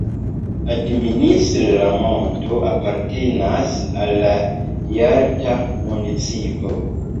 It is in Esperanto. Administre la monto apartenas al la Jalta municipo.